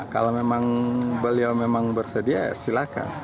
kalau memang beliau memang bersedia silakan